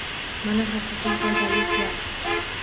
Mana haqiqiy foydali piar.